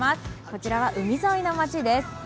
こちらは海沿いの街です。